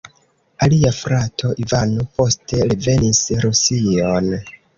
Alia frato "Ivano" poste revenis Rusion.